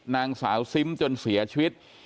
นางสาวซิมจนเสียชีวิต